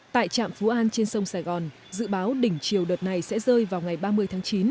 tại trạm phú an trên sông sài gòn dự báo đỉnh chiều đợt này sẽ rơi vào ngày ba mươi tháng chín